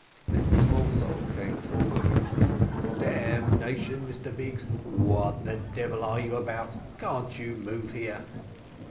Mr Smallsole came forward "Damnation, Mr Biggs, what the devil are you about? can't you move here?"